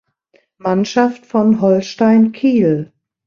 Mannschaft von Holstein Kiel.